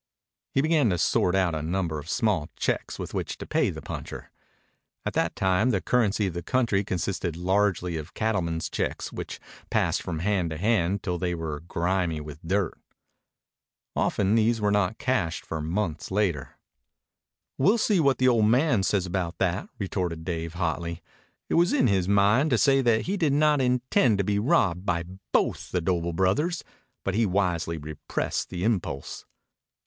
He began to sort out a number of small checks with which to pay the puncher. At that time the currency of the country consisted largely of cattlemen's checks which passed from hand to hand till they were grimy with dirt. Often these were not cashed for months later. "We'll see what the old man says about that," retorted Dave hotly. It was in his mind to say that he did not intend to be robbed by both the Doble brothers, but he wisely repressed the impulse.